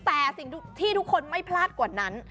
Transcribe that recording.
แต่สิ่งที่ทุกคนไม่พลาดกว่านั้น